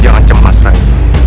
jangan cemas rai